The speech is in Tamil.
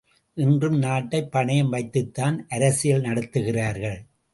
இன்றும் நாட்டை பணயம் வைத்துத்தான் அரசியல் நடத்துகிறார்கள்.